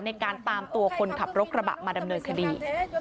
ในการตามตัวคนขับรถกระบะมาดำเนินคดี